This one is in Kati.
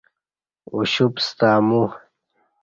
اُوشُپ ستہ امو